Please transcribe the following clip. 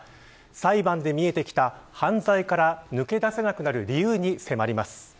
裁判で見えてきた犯罪から抜け出せなくなる理由に迫ります。